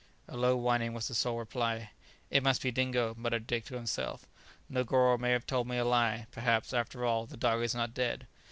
A low whining was the sole reply. "It must be Dingo," muttered Dick to himself; "Negoro may have told me a lie; perhaps, after all, the dog is not dead."